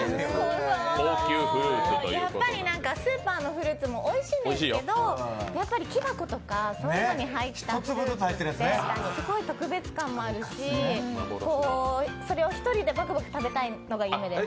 やっぱりスーパーのフルーツもおいしいんですけどやっぱり木箱とかに入ったフルーツってすごい特別感もあるしそれを１人でバクバク食べたいのが夢です。